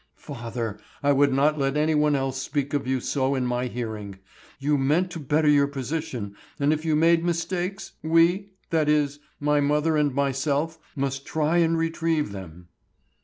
"Father I would not let any one else speak of you so in my hearing. You meant to better your position, and if you made mistakes, we—that is, my mother and myself, must try and retrieve them."